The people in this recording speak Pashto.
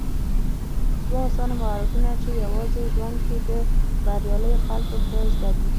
دوه اسانه مهارتونه چې يوازې ژوند کې د برياليو خلکو ښه زده دي